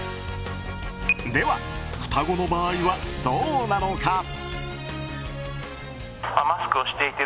では双子の場合はどうなのか。